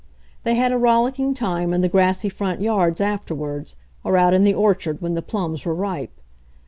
They had a rollicking time in the grassy front yards afterwards, or out in the orchard when the plums were ripe.